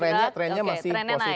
dan trennya masih positif